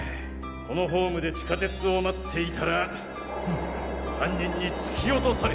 このホームで地下鉄を待っていたら犯人に突き落とされ。